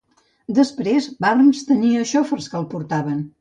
Després, Burns tenia xofers que el portaven.